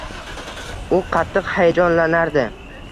U qattiq hayajonlanardi